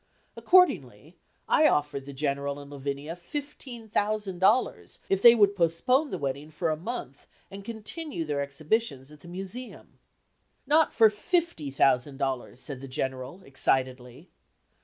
Accordingly, I offered the General and Lavinia fifteen thousand dollars if they would postpone the wedding for a month, and continue their exhibitions at the Museum. "Not for fifty thousand dollars," said the General, excitedly.